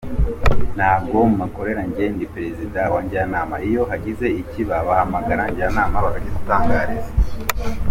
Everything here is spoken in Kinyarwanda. Ntabwo mpakorera njye ndi Perezida wa Njyanama, iyo hagize ikiba bahamagaza njyanama bakakidutangariza".